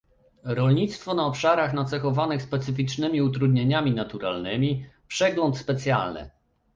Rolnictwo na obszarach nacechowanych specyficznymi utrudnieniami naturalnymi - przegląd specjalny